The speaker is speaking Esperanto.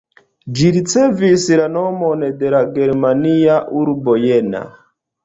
Ĝi ricevis la nomon de la germania urbo Jena.